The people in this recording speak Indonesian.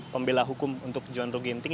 pembela hukum untuk john ruh ginting